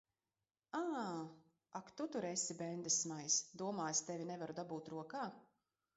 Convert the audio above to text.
Ā! Ak tu tur esi, bendesmaiss! Domā, es tevi nevaru dabūt rokā.